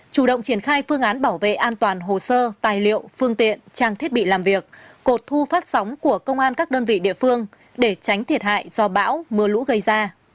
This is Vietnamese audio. chủ động triển khai phương án bảo vệ an toàn hồ sơ tài liệu phương tiện trang thiết bị làm việc cột thu phát sóng của công an các đơn vị địa phương để tránh thiệt hại do bão mưa lũ gây ra